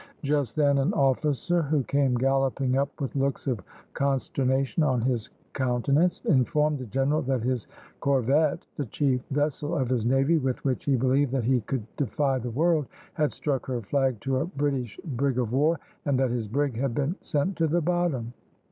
Just then an officer, who came galloping up with looks of consternation on his countenance, informed the general that his corvette, the chief vessel of his navy with which he believed that he could defy the world, had struck her flag to a British brig of war, and that his brig had been sent to the bottom.